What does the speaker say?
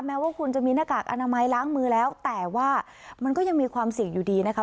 แม้ว่าคุณจะมีหน้ากากอนามัยล้างมือแล้วแต่ว่ามันก็ยังมีความเสี่ยงอยู่ดีนะคะ